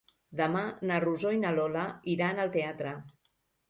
Demà na Rosó i na Lola iran al teatre.